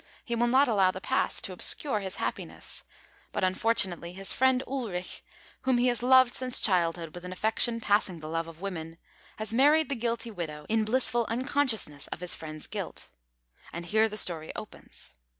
He will not allow the past to obscure his happiness. But unfortunately his friend Ulrich, whom he has loved since childhood with an affection passing the love of women, has married the guilty widow, in blissful unconsciousness of his friend's guilt. And here the story opens.